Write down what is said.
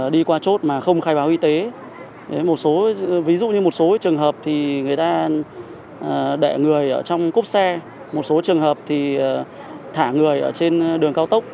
đi qua chốt mà không khai báo y tế ví dụ như một số trường hợp thì người ta đẻ người ở trong cốc xe một số trường hợp thì thả người ở trên đường cao tốc